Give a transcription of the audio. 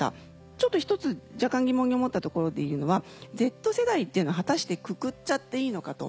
ちょっと一つ若干疑問に思ったところで言うのはＺ世代っていうのは果たしてくくっちゃっていいのかと。